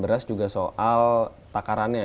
beras juga soal takarannya